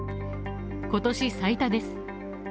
今年最多です。